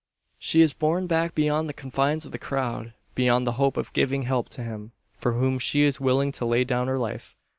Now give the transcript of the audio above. She is borne back beyond the confines of the crowd beyond the hope of giving help to him, for whom she is willing to lay down her life!